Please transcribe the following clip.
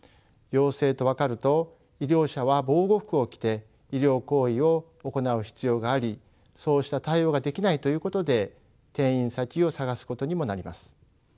陽性と分かると医療者は防護服を着て医療行為を行う必要がありそうした対応ができないということで転院先を探すことにもなります。